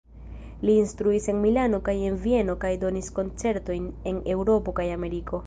Li instruis en Milano kaj en Vieno kaj donis koncertojn en Eŭropo kaj Ameriko.